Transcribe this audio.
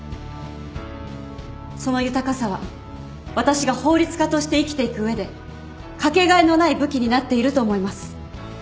その豊かさは私が法律家として生きていく上でかけがえのない武器になっていると思います。